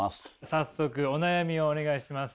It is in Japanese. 早速お悩みをお願いします。